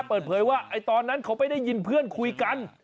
เปิดเผยว่าตอนนั้นเขาไม่ได้ยินเพื่อนคุยกัน